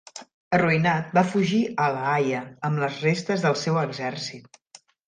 Arruïnat, va fugir a La Haia amb les restes del seu exèrcit.